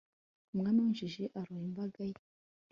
umwami w'injiji aroha imbaga ye